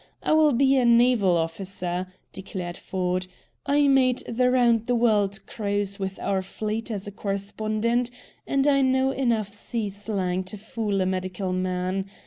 I will be a naval officer," declared Ford. "I made the round the world cruise with our fleet as a correspondent, and I know enough sea slang to fool a medical man.